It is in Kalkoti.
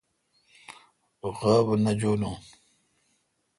غاب نہ جولوں۔